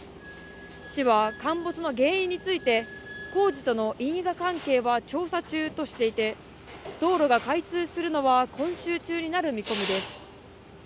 市は陥没の原因について工事との因果関係は調査中としていて道路が開通するのは今週中になる見込みです